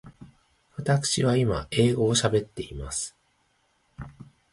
わたくしは今英語を喋っています。